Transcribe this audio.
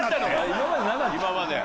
今まで。